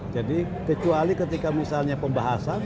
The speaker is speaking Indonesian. jadi kecuali ketika misalnya pembahasan